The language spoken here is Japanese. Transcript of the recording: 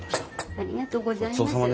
ありがとうございます。